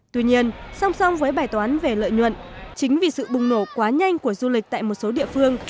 tuy nhiên song song với bài toán về lợi nhuận chính vì sự bùng nổ quá nhanh của du lịch tại một số địa phương